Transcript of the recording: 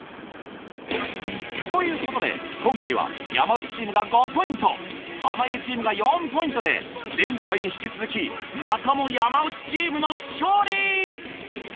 ということで今回は山内チームが５ポイント濱家チームが４ポイントで前回に引き続きまたも山内チームの勝利！